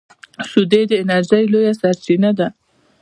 شیدې د انرژۍ لویه سرچینه ده